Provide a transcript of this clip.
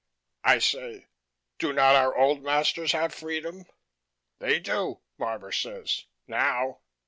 I say: "Do not our old masters have freedom?" "They do," Marvor says, "now."